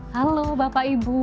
halo bapak ibu